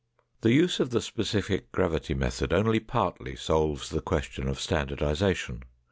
The use of the specific gravity method only partly solves the question of standardization.